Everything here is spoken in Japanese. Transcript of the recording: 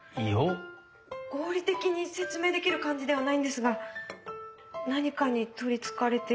合理的に説明できる感じではないんですが何かに取り憑かれているというか。